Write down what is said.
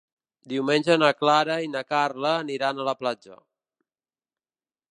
Diumenge na Clara i na Carla aniran a la platja.